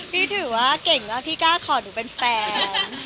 พี่ถือว่าเก่งมากพี่กล้าขอหนูเป็นแฟน